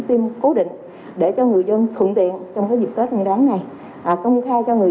tiêm cố định để cho người dân thuận tiện trong cái dịp tết nguyên đáng này công ty thay cho người